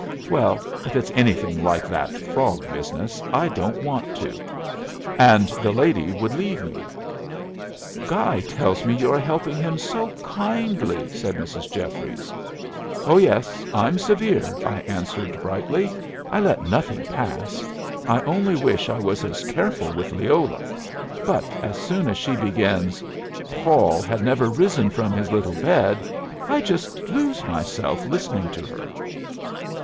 "Well, if it's anything like that frog business, I don't want to." And the lady would leave me. "Guy tells me you are helping him so kindly," said Mrs. Jeffries. "Oh yes, I'm severe,"' I answered, brightly. "I let nothing pass. I only wish I was as careful with Leola. But as soon as she begins 'Paul had never risen from his little bed,' I just lose myself listening to her."